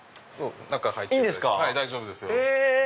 中入って大丈夫ですよ。